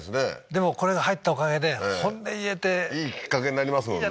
でもこれが入ったおかげで本音言えていいきっかけになりますもんね